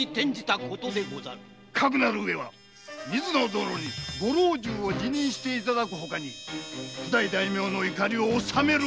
かくなるうえは水野殿にご老中を辞任していただくほかには譜代大名の怒りを収めることはできませぬぞ！